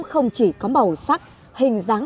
không chỉ có màu sắc hình dáng